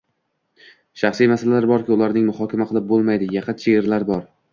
Shaxsiy masalalar borki, ularni muhokama qilib bo'lmaydi, yaqin chegaralar bor